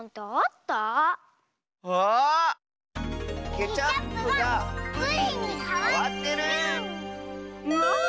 ケチャップがプリンにかわってる！ウォウ！